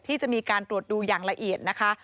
ที่จะมีการตรวจดูอย่างละเอียดนะคะ